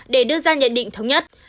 để đưa ra nhận định thống nhất